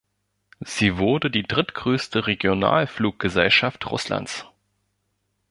Sie wurde die drittgrößte Regionalfluggesellschaft Russlands.